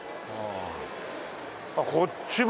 あっこっちも！